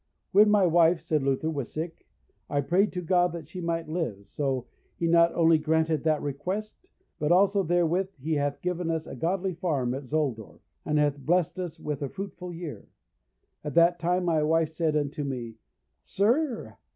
When my wife, said Luther, was sick, I prayed to God that she might live, so he not only granted that request, but also therewith he hath given us a goodly farm at Zolfdorf, and hath blessed us with a fruitful year. At that time my wife said unto me, Sir!